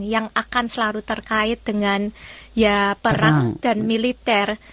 yang akan selalu terkait dengan ya perang dan militer